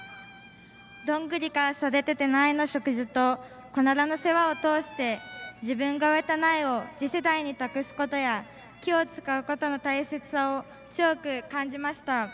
ドングリから育てた苗の植樹とコナラの世話を通して自分が植えた苗を次世代に託すことや木を使うことの大切さを強く感じました。